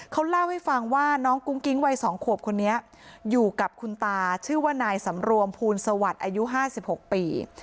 เขาเล่าให้ฟังว่าน้องกุ้งกิ๊งวัย๒ขวบคนนี้อยู่กับคุณตาชื่อว่านายสำรวมภูลสวัสดิ์อายุ๕๖ปี